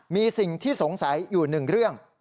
มีสิ่งที่สงสัยอยู่หนึ่งเรื่อง